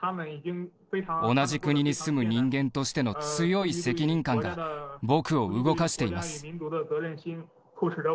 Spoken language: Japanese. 同じ国に住む人間としての強い責任感が、僕を動かしています。